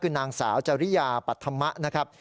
คือนางสาวจริยาปัธมะนะครับ